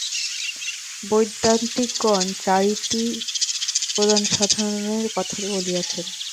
বৈদান্তিকগণ চারিটি প্রধান সাধনের কথা বলিয়াছেন।